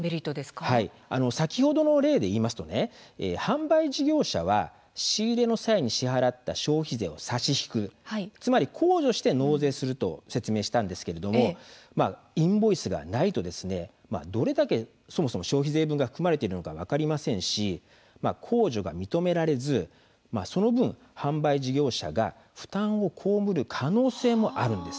先ほどの例でいいますと販売事業者は仕入れの際に支払った消費税を差し引くつまり控除して納税すると説明したんですがインボイスがないとどれだけ消費税分が含まれているのか分かりませんし控除が認められず、その分販売事業者が負担を被る可能性もあるんです。